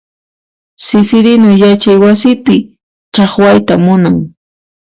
Sifirinu yachay wasipi chaqwayta munan.